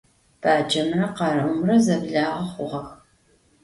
Bacemre khereumre zeblağe xhuğex.